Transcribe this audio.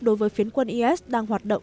đối với phiến quân is đang hoạt động